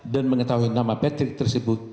dan mengetahui nama patrick tersebut